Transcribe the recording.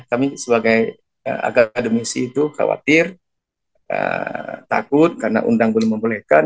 kami sebagai akademisi itu khawatir takut karena undang belum membolehkan